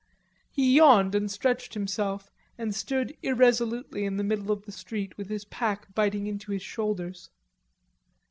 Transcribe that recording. He yawned and stretched himself and stood irresolutely in the middle of the street with his pack biting into his shoulders.